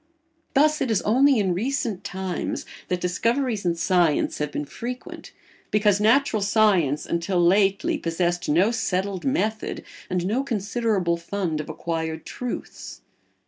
Thus it is only in recent times that discoveries in science have been frequent, because natural science until lately possessed no settled method and no considerable fund of acquired truths.